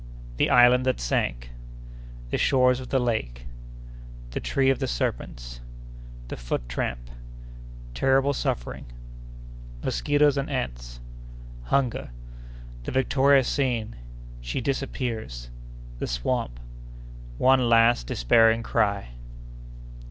—The Island that sank.—The Shores of the Lake.—The Tree of the Serpents.—The Foot Tramp.—Terrible Suffering.—Mosquitoes and Ants.—Hunger.—The Victoria seen.—She disappears.—The Swamp.—One Last Despairing Cry.